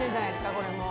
これもう。